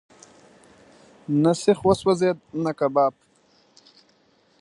نه سیخ وسوځېد، نه کباب.